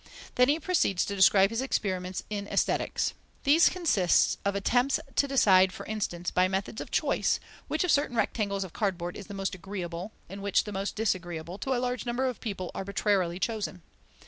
Then he proceeds to describe his experiments in Aesthetics. These consist of attempts to decide, for instance, by methods of choice, which of certain rectangles of cardboard is the most agreeable, and which the most disagreeable, to a large number of people arbitrarily chosen.